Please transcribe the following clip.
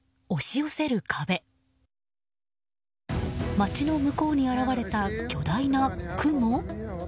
町の向こうに現れた巨大な雲？